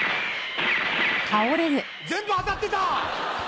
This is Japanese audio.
全部当たってた！